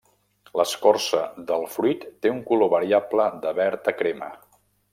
L'escorça del fruit té un color variable de verd a crema.